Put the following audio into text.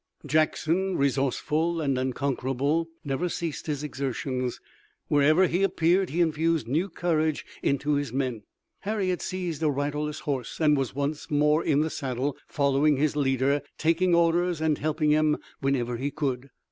Jackson, resourceful and unconquerable, never ceased his exertions. Wherever he appeared he infused new courage into his men. Harry had seized a riderless horse and was once more in the saddle, following his leader, taking orders and helping him whenever he could.